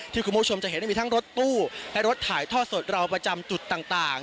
คุณผู้ชมจะเห็นมีทั้งรถตู้และรถถ่ายทอดสดเราประจำจุดต่าง